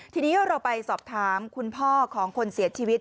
ทีนี้เราไปสอบถามคุณพ่อของคนเสียชีวิต